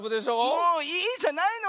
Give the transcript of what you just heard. もういいじゃないの！